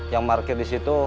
yang markir di situ